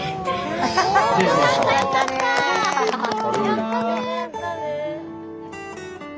やったね！